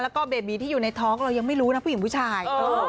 แล้วก็เบบีที่อยู่ในท้องเรายังไม่รู้นะผู้หญิงผู้ชาย